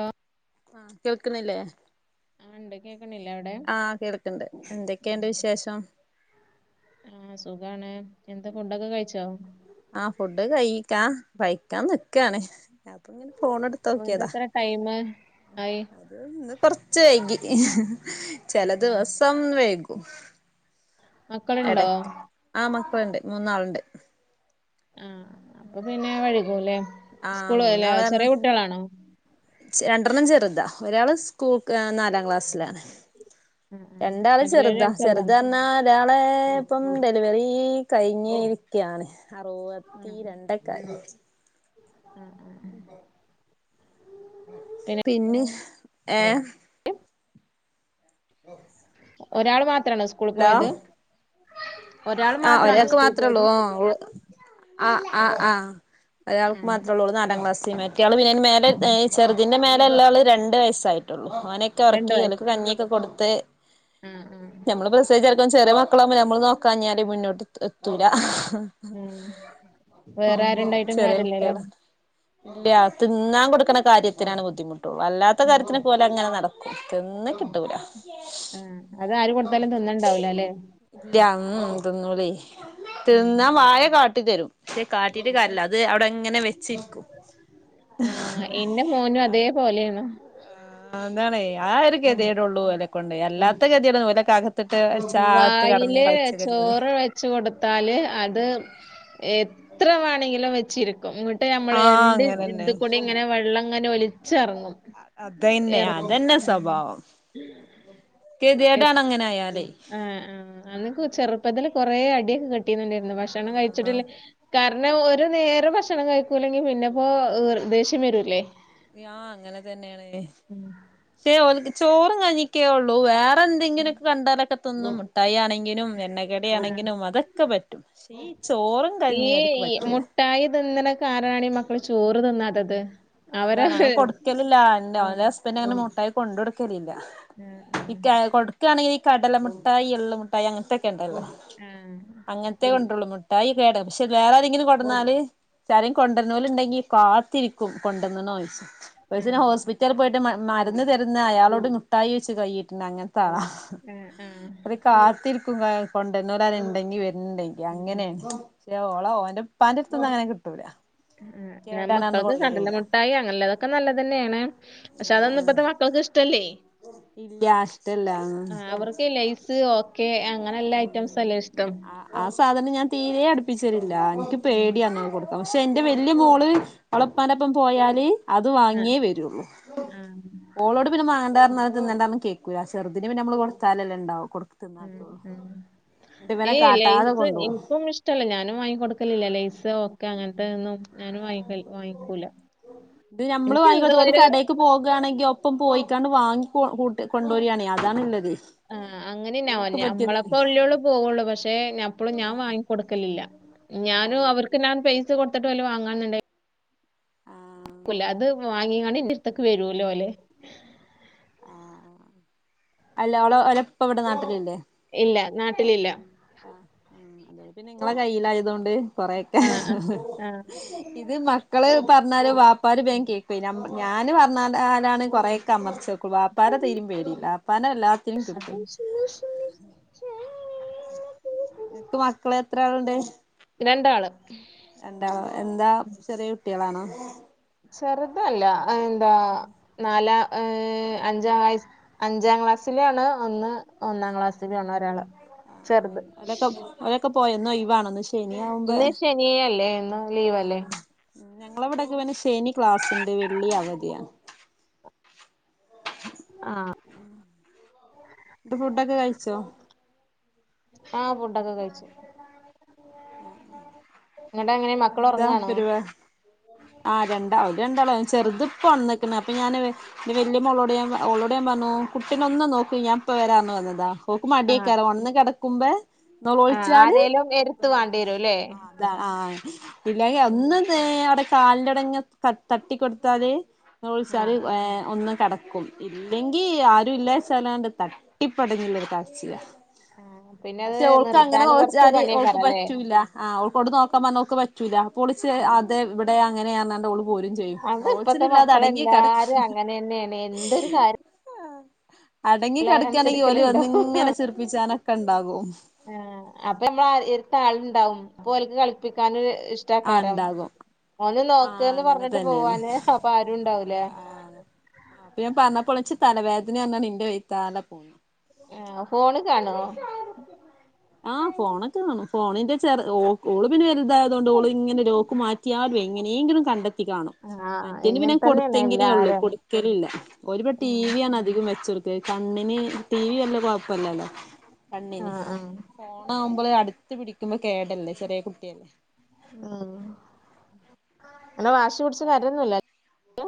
ആഹ് ആഹ് കേൾക്ക്ന്നില്ലേ അണ്ട് കേക്ക്ണില്ലെ അവിടെ ആകേൾക്ക്ണ്ട് എന്തൊക്കെണ്ട് ഉം വിശേഷം ആ സുഖാണ് എന്താ ഫുഡൊക്കെ കഴിച്ചോ ആ ഫുഡ് കഴീക്ക കഴിക്കാൻ നിക്കാണ് അപ്പൊ ഇങ്ങനെ ഫോണെടുത്ത് ഓ നോക്കിയതാ എന്തെത്ര ടൈം ആയി ന്ന് കൊറച്ച് വൈകി ചില ഉം. ദിവസം വൈകും മക്കള്ണ്ടോ എടക്ക് ആ മക്കളുണ്ട് മൂന്നാളുണ്ട് ആ അപ്പൊ പിന്നെ വഴികൂല്ലേ ആ സ്കൂള് ല്ലേ മൂന്നാള് ചെറിയ കാരണം കുട്ടികളാണോ രണ്ടെണ്ണം ചെറുതാ ഒരാള് സ്കൂക്ക് നാലാം ക്ലാസ്സിലാണ് ആ ആ രണ്ടാള് മറ്റുള്ളവര് ചെറുതാ രണ്ട് ചെറുതാണ് ചെറുതെന്ന ഒരാളെ ഇപ്പം ഡെലിവറീ കഴിഞ്ഞിരിക്യാണ് അറുപത്തി രണ്ടക്കെ ആഹ് ആഹ് പിന്നെ ഏഹ് ഒരാള് മാത്രാണോ സ്കൂളി ഹലോ പോയത് ഒരാൾ ആ മാത്രാണോ ഒരാൾക്ക് സ്കൂളിൽ മാത്രള്ളൂ പോയത് ഓ ആ ആ ആ ആ ഒരാൾക്ക് മാത്രേള്ളൂ ഓൾ നാലാം ക്ലാസ്സില് മ കുട്ടിയാള് പിന്നെന് മേലെ ചെറുതിന്റെ മേലെള്ള ആള് രണ്ട് വയസായിട്ടുള്ളു ഓനൊക്കെ രണ്ട് ഉറക്കി വയസ്സ് ഓലൊക്കെ കഞ്ഞിയൊക്കെ കൊടുത്ത് ആ ആ നമ്മ ചിലപ്പോ ചെറിയ മക്കളാകുമ്പോ നമ്മൾ നോക്കാഞ്ഞാല് മുന്നോട്ട് എത്തൂല ഉം വേറെ ആരുണ്ടായിട്ടും ചെറിയ കാര്യല്ലല്ലോ കുട്ട്യാള ല്ല്യ തിന്നാൻ കൊടുക്കണ കാര്യത്തിനാണ് ബുദ്ധിമുട്ട് വല്ലാത്ത ഉം കാര്യത്തിനൊക്കെ ഓലങ്ങനെ നടക്കും തിന്ന് കിട്ടൂല അത് ആര് കൊടുത്താലും തിന്ന്ണ്ടാവൂല ല്ലേ ഇല്ല ഉം തിന്നൂലെയ് ഉം തിന്നാ വായ കാട്ടിത്തരും ക്ഷെ കാട്ടിട്ട് കാര്യല്ല അത് അവിടെ ങ്ങനെ വെച്ചിരിക്കും ആഹ് എന്റെ മോനും അതേപോലെയാണ് ആന്താണെയ് ആ ഒരുകെതിയെടൊള്ളു ഓലേകൊണ്ടേയ് അല്ലാത്തകെതിയെടൊന്നും ഓലേക്കാകെ വായില് [unintelligible] ചോറ് വെച്ച്കൊടുത്താല് അത് എത്രവാണെങ്കിലുംവെച്ചിരിക്കും മുട്ടെമ്മള് ആഹ് രണ്ട് അങ്ങനെന്നെ ഇത്കൂടിംങ്ങനെ വെള്ളംഇങ്ങനെ ഒലിച്ചിറങ്ങും അതയന്നെ അതന്നെസ്വഭാവം എത് കെതിയടണ്അങ്ങനായാലേ ആഹ് ഉം അന്നൊക്കചെറുപ്പത്തില് കൊറെഅടിയൊക്കെ കിട്ടീനുന്റെട്ന്ന് ഭക്ഷണംകഴിച്ചിട്ടില്ല ആഹ് കാരണംഒരുനേരംഭക്ഷണംകഴിക്കൂല്ലെങ്കി പിന്നെപ്പോ ദേഷ്യംവരൂല്ലേ യാ അങ്ങനെതന്നെണ്ലേ തെഓൽക്ക്‌ ചോറുംകഞ്ഞിക്കെഒള്ളൂ വേ വേന്തെങ്കിലുംക്കെ കണ്ടാലൊക്കെതിന്നും മുട്ടായിയാണെങ്കിലും ആഹ് എണ്ണക്കടിയാണെങ്കിലും അതൊക്കെപറ്റും [unintelligible] ചോറ് ഈഇ മുട്ടായിതിന്ന്ണ കാരണാണി ഈ മക്കള്ചോറ്തിന്നാത്തത് അതാണ് അത്‌കൊട്ക്കലില്ല അന്റെ ഓന്റെഹസ്ബന്റ്അങ്ങനെ മുട്ടായി കൊണ്ട്കൊടുക്കലില്ല ആ ഈക്കാ കൊടുക്കുകയാണെങ്കില് ഈ കടലമുട്ടായി, എള്ള്മുട്ടായി അങ്ങൻത്തെക്കെണ്ടല്ലോ ആഹ് അങ്ങനത്തെകൊണ്ട്ള്ളു മുട്ടായികേട പഷെ വേറെആരെങ്കിലും കൊണ്ടന്നാല് എല്ലാരേം കൊണ്ടൊന്നൊലുണ്ടങ്കികാത്തിരിക്കും കൊണ്ടൊന്ന്ണൊയ്ച്ചും ആ ഒരീസഞാൻഹോസ്പി റ്റൽപോയിട്ട് മ്മ മരുന്ന്തരുന്ന അയാളോട്മുട്ടായിച്ച് കഴിട്ടുണ്ട് അങ്ങൻത്താളാ ഉം ആഹ് അത്കാത്തിരിക്കും കൊണ്ടർണൊലാരെഇണ്ടങ്കിവര്ണ് ആ. ണ്ടെങ്കിഅങ്ങനെണ് ഷെ ഓളഓന്റെപ്പന്റെട്ത്ത്ന്ന് അങ്ങനെ കി ആഹ് ഞാൻമക്കൾക്ക് കൊണ്ടരൂല കടലമുട്ടായി അങ്ങനെള്ളതൊക്കെനല്ലതെന്നാണ് പക്ഷേ അതൊന്നും ഇപ്പത്ത മക്കൾക്ക് ഇഷ്ട്ടല്ലേയ് ഇല്ല്യ ഇഷ്ട്ടല്ലാഹ് ലൈസ് ഓക്കെ അങ്ങനെല്ല ഐറ്റംസ്സല്ലെ ഇഷ്ട്ടം ആ സാധനം ഞാൻ തീരെ അടുപ്പിച്ചലില്ല ഉം. ഇൻക്ക്പേടിയാണ് കൊടു പഷെ ന്റെവല്ല്യമോള് അവളപ്പാന്റൊപ്പം പോയാല് അത് ആ വാങ്ങിയേ വരുള്ളൂ ആ ഓളോട് പിന്നെ മാണ്ടർഞ്ഞ തിന്നണ്ടർഞ്ഞ കേക്കൂല ചെറ്തിന് പിന്നെമ്മള് കൊടുത്താലല്ലെ ഉണ്ടാവു കൊട് ഉം ഉം. ട്ട് ഇവന ഏയ് കാട്ടാതെ ലെയ്സ് കൊണ്ടൊവും എനിക്കും ഇഷ്ടല്ല ഞാനും വാങ്ങികൊട്ക്കലില്ല ലൈസ് ഓക്കെ അങ്ങൻത്തത് ന്നും ഞാനും വാങ്ങി കഴി വാങ്ങിക്കൂല ഇത് നമ്മള് ഇൻക്ക്‌ വാങ്ങിക്കൊടുത്ത ഓല് [unintelligible] കടേക്ക് പോകാണെങ്കി ഒപ്പംപോയിക്കാണ്ട് വാങ്ങികു കൂട്ട് കൊണ്ടൊരാണെയ് അതാണിള്ളത് ആഹ് അങ്ങനെന്നാവല്ലേ ഞമ്മളപ്പല്ലെ ഉള്ളു പോവുള്ളൂ പഷെ ഞപ്പളും ഞാൻ വാങ്ങിക്കൊട്ക്കലില്ല ആ ഞാനും അവർക്ക്നാൻ പൈ സ കൊട്ത്ത്ട്ട് ഓല് വാങ്ങാൻന്ന്ണ്ടേയ് ആഹ് കുല അത്‌വാങ്ങിങ്ങാണ്ട് ഇന്റെട്ത്ത്ക്ക് വരൂല ഓല് ആ ആ അല്ല ഓളെ ഓലെ ഇപ്പവിടെ നാട്ടിലില്ലേ ഇല്ല നാട്ടിലില്ല ആഹ് ഉം അതെ പിന്നെ ഇങ്ങളെ കയ്യിലായതൊണ്ട് കൊറൊക്കെ ആ ആ ആ ഇത് മക്കള് പർഞ്ഞാല് വാപ്പാര് വേം കേ പിന്നെ മ്മ ഞാന്പർഞ്ഞാലലാണ് കൊറേക്കെ അമർച്ച വാപ്പാരെ തീരിം പേടില്ല വാപ്പാനെ എല്ലാത്തിനും കിട്ടും. [unintelligible] ൻക് മക്കളെത്ര ആള്ണ്ട് രണ്ടാള് രണ്ടാളോ എന്താ ചെറിയ കുട്ടിയളാണോ? ചെറുതല്ലഎന്താ നാലാ ഏ അഞ്ചാം വയ അഞ്ചാംക്ലാസ്സിലാണ് ഒന്ന് ഒന്നാം ക്ലാസ്സിലുആണ് ഒരാള് ഉം ഉം ചെറുത് ഒലൊക്കെ ഒലൊക്കെ പോയോ ഇന്നോയിവാണ് ഇന്ന് ഷ് ശനി ആവുമ്പേ ഇന്ന് ശനിയല്ലേ ഇന്ന് ആഹ് ലീവല്ലേ ഉ ഞങ്ങളവിടൊക്കെ പിന്നെ ശനി ക്ലാസ്ണ്ട്, വെള്ളി അവധിയാ ഉം ആഹ് ത് ഫുഡൊക്കെ കഴിച്ചോ ആ ഫുഡക്കെ കഴിച്ചു ന്നട്ടങ്ങനെ മക്കള് എന്താ ഒർങ്ങാണോ പരിപാ ആ രണ്ടാളും രണ്ടാളും ചെർത്പ്പോ ഒൺന്ന്ക്ക്‌ണ്. അപ്പൊ ഞാന് വല്യ മോളോട് ഞാൻ പ ഓളോട് ഞാൻ പർഞ്ഞു കുട്ടിനെ ഒന്ന് നോക്ക് ഞാൻ ഇപ്പ വരാർഞ് വന്നതാ. ഓക്ക് ആഹ് മടിയെക്കാരം ഒൺന്ന് കെടക്കുമ്പേ ആഹ് നെലോൾച്ചാല് ആരേലും ഒപ്പ എരുത്ത് വേണ്ടി വരും ല്ലേ ആ അതാ ഇല്ലങ്കിൽ അന്ന് അവ്ടെ കാൽൻ്റവ്ടങ്ങനെ ത തട്ടി കൊട്ത്താല് നോളോൾചാല് ആഹ് ഏ ഒന്നു കെടക്കും ഇല്ലെങ്കി ആരുല്ലാച്ചാലാണ്ട് തട്ടിപ്പെടഞ്ഞൊരു കര്ച്ചിലാ ആഹ് പിന്നെ അത് പക്ഷെ ഓൾക്ക് അങ്ങനെ നിർത്താന് കൊറച്ച് നോളോൾച്ചാല് ഓൾക്ക് പണിയേക്കാരല്ലേ പറ്റുല്ല ആ ഓൾ കൊണ്ട് നോക്കാൻ പർഞ്ഞാ ഓക്ക് പറ്റൂല അപ്പൊ ഓള് ച് അത് ഇവടെ അങ്ങനെ പർഞാണ്ട് ഓള് പോരും. ചെയ്യും അത് നോളോൾചല് ഇപ്പത്തെ ഇല്ലാതെ അടങ്ങി കെട മക്കളെല്ലാരും അങ്ങനെന്നെയാണ് എന്തൊരു കാര്യം അടങ്ങി കെട്ക്കാണെങ്കി ഓല് അവരനുസരിക്കലുണ്ടോ വന്ന്ങ്ങനെ ചിർപ്പിച്ചാനൊക്കെ ഉണ്ടാകും ആ അപ്പൊ നമ്മള എര്ത്ത് ആൾണ്ടാവും അപ്പോ ഓൽക്ക് കളിപ്പിക്കാനൊരു ഇഷ് ആ ഇണ്ടാകും ഓന് ആ നോക്ക്‌ന്ന് അങ്ങനെ പർഞ്ഞിട്ട് തന്നേണ് പോവാന് അപ്പൊ ആരും ഇണ്ടാവൂല അപ്പൊ ഞാൻ പർഞ്ഞപ്പൊള് ച്ച് തലവേദനെർഞാണ്ട് ഇന്റെ വൈത്താല പോ ആ ഫോണ് കാണോ ആ ഫോണൊക്കെ കാണും ഫോണിന്റെ ചെറ് ഓ ഓള് പിന്നെ വൽതായതൊണ്ട് ഓള് ഇങ്ങനെ ലോക്ക് മാറ്റിയാലും എങ്ങനെങ്കിലും കണ്ടെത്തി കാണും. ആഹ് മറ്റെന് പിന്നെ ഇങ്ങനെ തന്നെയാണ് കൊട്ത്തങ്കിലെ ഉള്ളൂ, എല്ലാരും കൊടുക്കലില്ല, ഓന് പിന്നെ ടിവി യാണ് അധികം വെച്ചൊട് കണ്ണിന് ടിവി വല്ല കൊഴപ്പല്ലല്ലോ കണ്ണിന് ആഹ് ആഹ് ഫോൺ ആകുമ്പോൾ അടുത്ത് പിടിക്കുമ്പോ കേടല്ലേ ചെറിയ കുട്ടിയല്ലേ ഉം അങ്ങനെ വാശി പിടിച്ച് കരയൊന്നുല്ല അല്ലേ.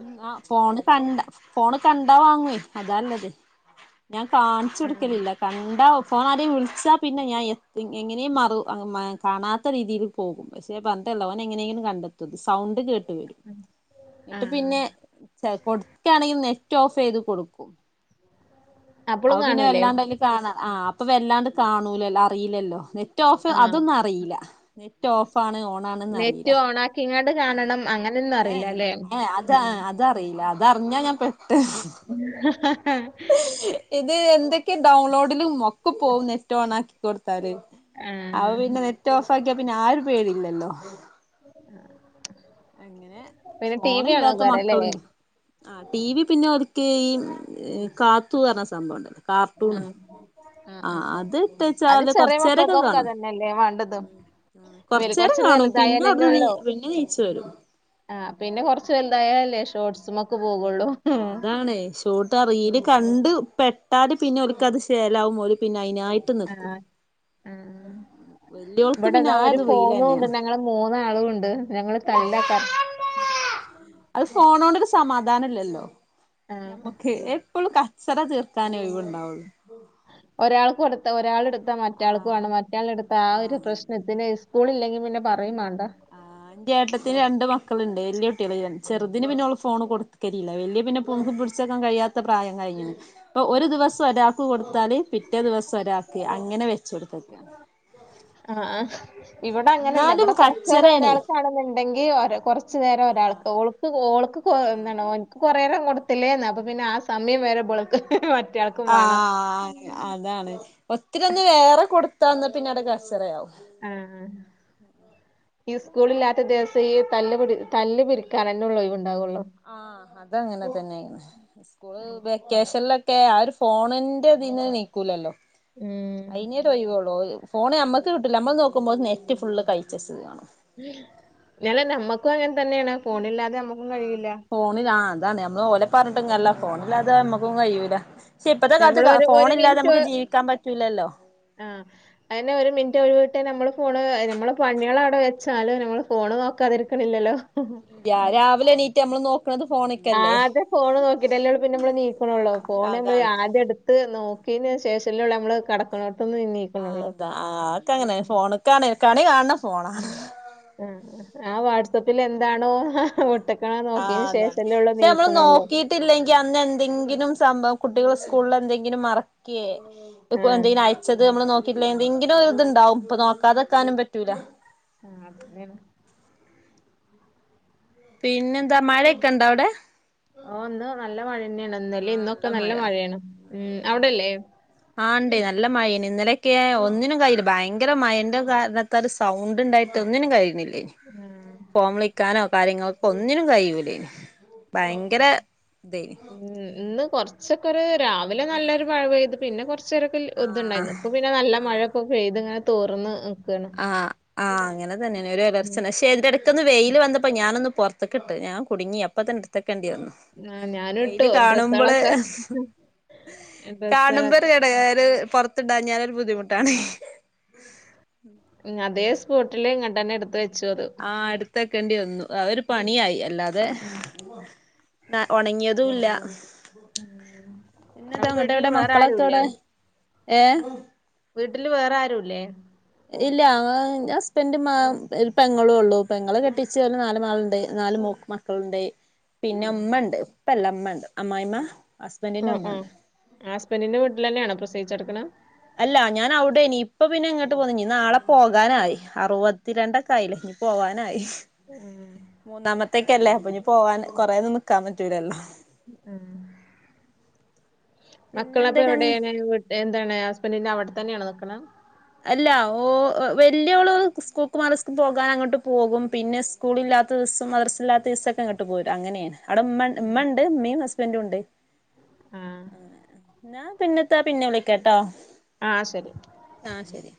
ഉം ആഹ് ഫോണ് കണ്ട ഫോണ് കണ്ടാ വാങ്ങും അതാള്ളത്. ഞാൻ കാണിച്ചു കൊടുക്കലില്ല കണ്ടാ ഫോൺ ആരെങ്കിലും വിളിച്ചാ പിന്നെ ഞാൻ എ ഇങ്ങനെ മാറും കാണാത്ത രീതിയിൽ പോകും. പക്ഷെ പറഞ്ഞിട്ട് എന്താ ഓൻ എങ്ങനെയെങ്കിലും കണ്ടെത്തും. സൗണ്ട് കേട്ട് വരും. [inaudible] ആ എന്നിട്ട് പിന്നെ കൊടുക്കയാണെങ്കിൽ നെറ്റ് ഓഫ് ചെയ്ത് കൊടുക്കും അപ്പളും അത് പിന്നെ കാണൂലേ വല്ലാണ്ടതില് കാണാൻ ആഹ് അപ്പൊ വല്ലാണ്ട് കാണൂല. അറിയില്ലല്ലോ. നെറ്റ് ഓഫ് ആ അതൊന്നും അറിയില്ല നെറ്റ് ഓഫാണ് ഓൺ ആണെന്ന് നെറ്റ് അറിയില്ല ഓണാക്കിങ്ങാണ്ട് കാണണം അങ്ങനെയൊന്നും അറിയില്ല അല്ലേ. ഏ അത് ഉം. അതറിയില്ല അതറിഞ്ഞാ ഞാൻ പെട്ട് [unintelligible] ഇത് എന്തൊക്കെയോ ഡൗൺലോഡിലുമൊക്കെ പോവും നെറ്റ് ഓൺ ആക്കി കൊടുത്താല്. ആ, അത് പിന്നെ നെറ്റ് ഓഫ് ആക്കിയാ പിന്നെ ആഹ് ഒരു പേടിയില്ലല്ലോ. അങ്ങനെ പിന്നെ ടി വി കാണാൻ കേറുഅല്ലേ ആഹ് ടി വി പിന്നെ ഓലിക്ക് ഈ കാത്തു പറഞ്ഞ സംഭവം ഉണ്ട് കാർട്ടൂണ്. ആഹ് ആ ആഹ് അത് അത് ഇട്ടച്ചാല് ചെറിയ കൊറച്ചേരൊക്കെ മക്കൾക്കൊക്കെ കാണും അതന്നെയല്ലേ വേണ്ടത് ഇവര് കൊറച്ചേരം കൊറച്ച് കാണും പിന്നെ വലുതായാലല്ലേ അവിടുന്ന് നീ ഉള്ളൂ. പിന്നെ നീച്ചു വരും ആഹ് പിന്നെ കുറച്ച് വലുതായാലല്ലേ ഷോർട്സിലൊക്കെ പോകുള്ളൂ. ആഹ് അതാണേ ഒരിക്ക ആഹ് റീൽ കണ്ട് പെട്ടാൽ പിന്നെ ഓലിക്കത് ശേലാവും ഓല് പിന്നെ അതിനായിട്ട് ആഹ് ഉം വല്യോൾക്ക് പിന്നെ ഇവിടെതാ ആ ഒരു ഫോണ് റീലെന്നെയാണ് കൊണ്ടന്നെ ഞങ്ങള് മൂന്നാളുംണ്ട് ഞങ്ങൾ തല്ലറ അത് ഫോണോണ്ടൊരു സമാധാനംല്ലല്ലോ ആ, ആ. ഞമ്മക്ക് എപ്പോഴും ക ചറ തീർക്കാനേ ഒഴിവ് ഉണ്ടാവുള്ളൂ ഒരാൾക് കൊടുത്ത ഒരാളെടുത്ത മറ്റാൾക് ആഹ് വേണം മറ്റാൾ എടുത്ത ആഹ് ഒരു പ്രശ്നത്തിന് സ്കൂളില്ലെങ്കി പിന്നെ പറയും മാണ്ട ആഹ് ന്റെ ഏട്ടത്തിന് രണ്ട് മക്കളുണ്ട് വല്യ കുട്ടിളയ്കന് ചെറുതിന് പിന്നെള് ഫോണ് കൊടുക്കലില്ല വലിയ പിന്നെപോണും പിടി ച്ചക്കം കഴിയാത്ത പ്രായം കഴിഞ്ഞണ് ഇപ്പൊ ഒരു ദിവസം ഒരാക്ക് കൊടുത്താല് പിറ്റേ ദിവസം ഒരാക്ക് അങ്ങനെ വെച്ചടുത്തക്ക. ആഹ് ആഹ് ഇവിടെ അങ്ങനല്ല എന്നാലും ഇവിടെ കൊറച്ചരം കച്ചറേണേ ഒരാൾക്കാണുന്നുണ്ട് ഉണ്ടെങ്കി കൊറച് നേരം ഒരാൾക്ക് ഓൾക് ഓൾക് കുറേ നേരം കൊടു ത്തിലെ ന്ന അപ്പ പിന്നെ ആഹ് സമയം വേരെ ബളക്ക് മറ്റൾക്ക് ആഹ് അതാണ് ഒത്തിരി ഒന്ന് വേറെ കൊടുത്താന്നാ പിന്നെ അടെ കച്ചറയാവും ആഹ് ഈ സ്കൂളില്ലാത്ത ദിവസം ഈ തല്ല് പിടി തല്ല് പിരിക്കാനെന്നെ ഉള്ള ഒണ്ടാവുണ്ടാവുള്ളൂ ആഹ് അതങ്ങനെ തന്നെയായിരുന്നു സ്കൂള് വെക്കേഷനില ക്കെ ആഹ് ഒരു ഫോണിന്റെതിന്ന നീക്കൂലല്ലോ ഉം അയി ഫോണ് ഞമ്മക്ക് കിട്ടുല്ല നമ്മള് നോക്കുമ്പോ നെറ്റ് ഫുള് കഴിച്ചച്ചത് കാണം ഞാല നമ്മക്കും അങ്ങനെ തന്നെയാണ് ഫോണില്ലാതെ നമ്മുക്കും കഴിയില്ല ഫോണില ആഹ് അതാണ് നമ്മള് ഓല പറഞ്ഞിട്ടും കാര്യല്ല ഫോണില്ലാതെ നമ്മക്കും കയൂല ക്ഷെ ഇപ്പത്തെ നമ്മളൊരു കാലത്ത് ഒരു ഒരു ഫോണില്ലാതെ മിനിറ്റ് നമുക്ക് ജീവിക്കാൻ പറ്റൂല്ലല്ലോ ആഹ് അയിന് ഒരു മിനിറ്റ് ഒഴിവിട്ട് നമ്മള് ഫോണ് നമ്മളെ പണികൾ അവിടെ വെച്ചാലും നമ്മള് ഫോണ് നോക്കാതിരിക ക്കണില്ലല്ലോ രാ രാവിലെ എണീറ്റ് നമള് നോക്കണത് ഫോണ് ആദ്യം ഫോണ് നോക്കിയിട്ടല്ലേയുള്ളൂ പിന്നെ നമ്മള് നിക്കനൊള്ളൂ ഫോണ് നമ്മള് അതാണ് ആദ്യം എടു ത്ത്‌ നോക്കിയേനി ശേഷല്ലേയുള്ളൂ നമ്മള് കിടക്കുന്നിടത്തുനിന്ന് എണീ ആഹ് അത് ആൾക്ക് അങ്ങനെ ഫോണ് കാണ് കണി കാണണം ഫോണാ. ആഹ് ആഹ് വാട്സപ്പിൽ വാട്സ്ആപ്പിൽ എന്താണോ വീട്ടിക്ക്. എനിക്കണേ നോക്കിന് ശേഷയല്ലേ ഉള്ളൂ നിൽക്കണയുള്ളൂ. ട്ടില്ലെങ്കിൽ അന്ന് എന്തെങ്കിലും സംഭവം കുട്ടികളെ സ്കൂളിൽ എന്തെങ്കിലും മറക്കേ. ഇപ്പൊ ആഹ് എന്തെങ്കിലും അയച്ചത് നമ്മള് നോക്കിയില്ല എന്തെങ്കിലും ഇതാണ്ടാവും ഇപ്പൊ നോക്കാതെ വെക്കാനും പറ്റൂല. ആഹ് അതെ. പിന്നെന്താ മഴക്കണ്ടാവടെ ഓ ഇന്ന് നല്ല മഴ തന്നെയാണ് ഇന്നലെയും ആഹ് ഇന്നൊക്കെ നല്ല മഴ മഴയാണ് ഉം അവിടെ അല്ലേ. ആഹ് ഇണ്ട് നല്ല മഴയാണ്, ഇന്നലെയൊക്കെ ഒന്നിനും കഴിയില്ല ഭയങ്കര മഴന്റെ കാരണം. എന്തൊരു സൗണ്ട് ഉണ്ടായിട്ട് ഒന്നിനും കഴിയുന്നില്ലേ ആഹ് ഫോൺ വിളിക്കാനോ. കാര്യങ്ങളെക്കൊന്നിനും കഴിയൂലേന്, ഭയങ്കര ഇത് തന്നെ. ഉം ഇന്ന് കൊറച്ചൊക്കെരു രാവിലെ നല്ലൊരു മഴ പെയ്തു പിന്നെ കൊറച്ച്. ചരക്കിൽ ആഹ് കൊതുണ്ടായിരുന്നു ഇപ്പൊ പിന്നെ നല്ല ആഹ് മഴയൊക്കെ പെയ്ത് ഇങ്ങനെ തോർന്ന്. നിക്കാണ് ആഹ് ആഹ് അങ്ങനെ തന്നെയാണ് ഒരു ഇടർച്ച ഉം ഉണ്ടായി. തെരുതെരക്കൊന്ന് വെയില് വന്നപ്പോ ഞാനൊന്ന് പൊറത്തെക്ക് ഇട്ട്, ഞാൻ കുടുങ്ങി അപ്പ തന്നെ എടുത്തു വെക്കണ്ടേ വന്നു. ആ ഞാനിട്ടു വെയില് കാണുമ്പോള്. ഡ്രസ്സുകളൊക്കെ കാണുമ്പോൾ ഒരു ഡ്രസ്സുകളൊക്കെ ഇതാണ് ഒരു പൊറത്ത് ഇടാൻ ഞാനൊരു ഉം ബുദ്ധിമുട്ടാണ്. ഉം അതേ സ്പോട്ടില് ഇങ്ങട്ടെത്തന്നെ എടുത്ത് വെ ആഹ് എടുത്തു വെക്കേണ്ടേ വന്നു ആഹ് ഒരു പണിയായി അല്ലാതെ. ഉം എന്നാ ഉണങ്ങിയതും ഇല്ല. ഉം. പിന്നെ ഏത് അപ്പൊ അങ്ങോട്ട് വീട്ടില് എവിടെ വേറെ മക്കളൊക്കെ ആരുല്ലേ എവിടെ ഏഹ്. വീട്ടില് വേറാരുമില്ലേ. ഇല്ല ആഹ് ഇന്റെ ഹുസ്ബൻഡും മ ഒരു പെങ്ങളും ഉള്ളൂ പെങ്ങളെ കെട്ടിച്ച് ഒരു നാല് മോളുണ്ട് നാല് മക്ക ളെ ഉണ്ട് ആ പിന്നെ ഉമ്മണ്ട് ഉപ്പല്ല ഉമ്മണ്ട് അമ്മായിമ്മ ഹുസ്ബൻഡിന്റെ ഉമ്മ. ആഹ് ഹുസ്ബൻഡിന്റെ വീട്ടില് തന്നെയാണോ പ്രസവിച്ചു കിടക്കുന്നോ? അല്ല ഞാൻ അവിടെയാനി ഇപ്പ പിന്നെ ഇങ്ങോട്ട് പോന്നീ, നാളെ പോകാനായി അറുപത്തിരണ്ടൊക്കെ ആയി. പോവാനായി. ആ മൂന്നാമത്തേക്കല്ലേ അപ്പൊ ഇനി പോവാന് കൊറെയെന്നു നിക്കാൻ പറ്റൂലല്ലോ. ഉം പിന്നെ മക്കളൊക്കെ എന്തൊക്കെ എവിടെയാണ് കൊ എന്താണ് ഹുസ്ബൻഡിന്റെ അവിടെ തന്നെണോ നിക്കേണ്. അല്ല ഓ വെല്യോള് സ്കൂലിയൊക്കെ മാറി പോകാന് അങ്ങോട്ട് പോകും പിന്നെ സ് സ്കൂളില്ലാത്ത ദിവസം മദ്രസയില്ലാതെ ദിവസം അങ്ങോട്ട് പോരും അങ്ങനെയാണ് അവിടെ ഉമ്മണ്ട് ഉമ്മണ്ട് ഉമ്മയും ഹുസ്ബൻഡുണ്ട്. ആഹ് എന്നാ പിന്നെതെ പിന്നെ വിളിക്കട്ടോ. ആഹ് ശരി ആഹ് ശരി